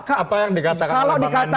apa yang dikatakan bang andi ini kan